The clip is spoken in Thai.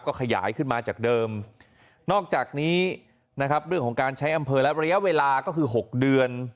ก็ขยายขึ้นมาจากเดิมนอกจากนี้นะครับเรื่องของการใช้อำเภอและระยะเวลาก็คือ๖เดือน